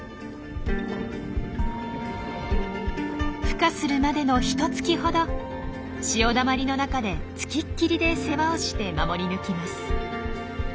ふ化するまでのひとつきほど潮だまりの中で付きっきりで世話をして守り抜きます。